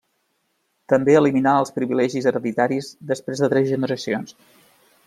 També eliminà els privilegis hereditaris després de tres generacions.